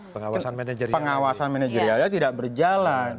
pengawasan manajerialnya tidak berjalan